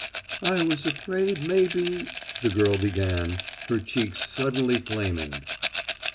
"I was afraid maybe " the girl began, her cheeks suddenly flaming.